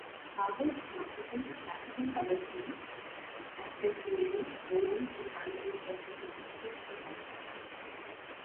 Harboard's masterful, classical colour schemes accentuating moulding and panelling perfectly suit the house.